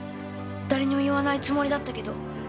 誰にも言わないつもりだったけど。